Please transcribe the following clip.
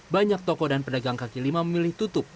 banyak toko dan pedagang kaki lima memilih tutup